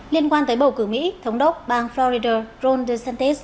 liên quan tới bầu cử mỹ thống đốc bang florida ron desantis